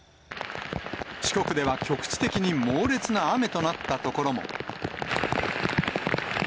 四国では局地的に猛烈な雨となった所も。